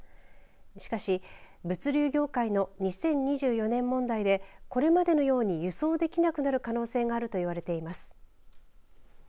しかし物流業界の２０２４年問題でこれまでのように輸送できなくなる可能性があると言われています。